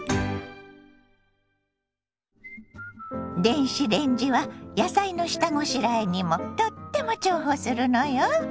電子レンジは野菜の下ごしらえにもとっても重宝するのよ。